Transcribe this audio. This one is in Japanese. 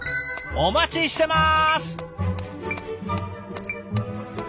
お待ちしてます！